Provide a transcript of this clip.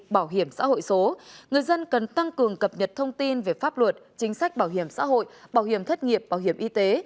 bảo hiểm xã hội số người dân cần tăng cường cập nhật thông tin về pháp luật chính sách bảo hiểm xã hội bảo hiểm thất nghiệp bảo hiểm y tế